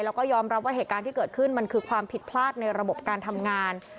แล้วก็ยอมรับว่าเหตุการณ์ที่เกิดขึ้นมันคือความผิดพลาดในระบบการทำงาน